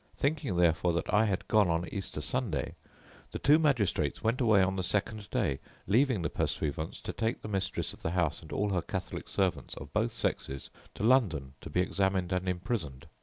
Thinking therefore that I had gone on Easter Sunday, the two magistrates went away on the second day, leaving the pursuivants to take the mistress of the house and all her Catholic servants of both sexes to London to be examined and imprisoned.